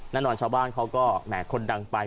แน่นอนชาวบ้านเขาก็แหมคนดังไป